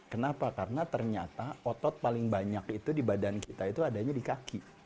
kenapa karena ternyata otot paling banyak itu di badan kita itu adanya di kaki